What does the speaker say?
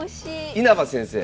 稲葉先生！